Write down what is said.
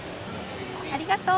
ありがとう。